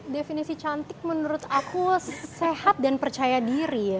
definisi cantik menurut aku sehat dan percaya diri ya